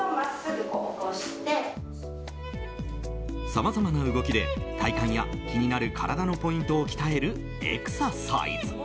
さまざまな動きで、体幹や気になる体のポイントを鍛えるエクササイズ。